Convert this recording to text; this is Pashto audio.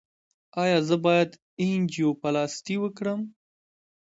ایا زه باید انجیوپلاسټي وکړم؟